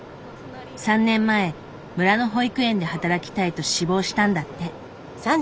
３年前村の保育園で働きたいと志望したんだって。